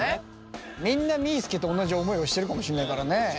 みんなみーすけと同じ思いをしてるかもしれないからね。